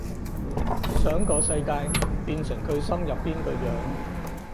想個世界變成佢心入邊嘅樣